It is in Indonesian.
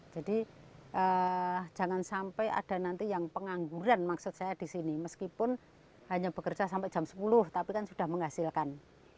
jadi jangan sampai ada nanti yang pengangguran maksud saya di sini meskipun hanya bekerja sampai jam sepuluh tapi kan sudah menghasilkan